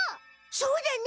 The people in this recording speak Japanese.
そうだね。